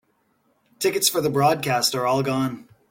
Tickets for the broadcast are all gone.